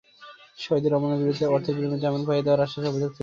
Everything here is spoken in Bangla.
শাহিদুর রহমানের বিরুদ্ধে অর্থের বিনিময়ে জামিন পাইয়ে দেওয়ার আশ্বাসের অভিযোগ ছিল।